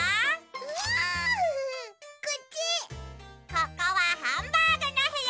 ここはハンバーグのへや！